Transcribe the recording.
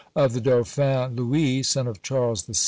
Of the dauphin Louis, son of Charles VI.